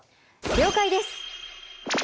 了解です！